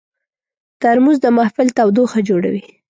ترموز د محفل تودوخه جوړوي.